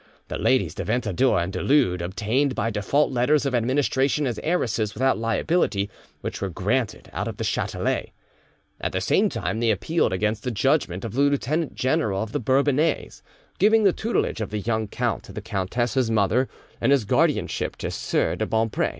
The ladies de Ventadour and du Lude obtained by default letters of administration as heiresses without liability, which were granted out of the Chatelet. At the same time they appealed against the judgment of the lieutenant general of the Bourbonnais, giving the tutelage of the young count to the countess his mother, and his guardianship to sieur de Bompre.